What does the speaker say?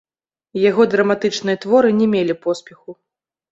Яго драматычныя творы не мелі поспеху.